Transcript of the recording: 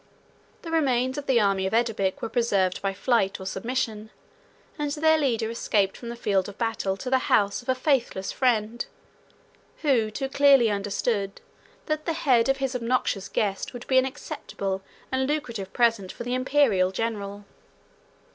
The remains of the army of Edobic were preserved by flight or submission, and their leader escaped from the field of battle to the house of a faithless friend; who too clearly understood, that the head of his obnoxious guest would be an acceptable and lucrative present for the Imperial general.